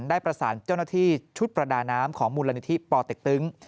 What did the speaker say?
ได้ประสานเจ้าหน้าที่ชุดประดาน้ำของมูลนิธิปอเต็กตึง